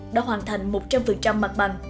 đã hoàn thành một trăm linh mặt bằng